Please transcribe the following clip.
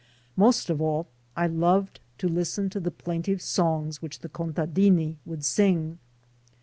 Most of all I loved to listen to the plaintive songs which the "contadini" would sing.